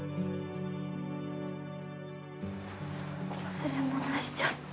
忘れ物しちゃった。